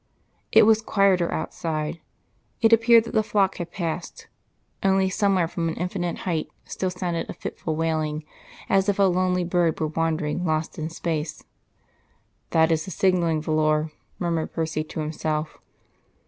It was quieter outside. It appeared that the flock had passed, only somewhere from an infinite height still sounded a fitful wailing, as if a lonely bird were wandering, lost in space. "That is the signalling volor," murmured Percy to himself.